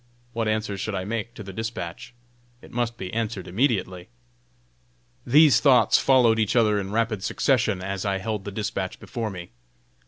What answer should I make to the dispatch? It must be answered immediately! These thoughts followed each other in rapid succession as I held the dispatch before me.